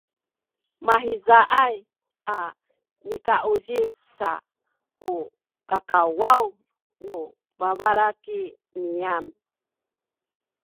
mahizaay a nikauzip sa u kakawaw nu babalaki niyam